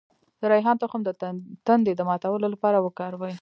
د ریحان تخم د تندې د ماتولو لپاره وکاروئ